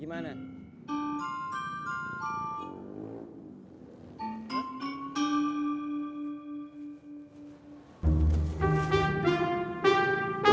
gak ada yang ngerti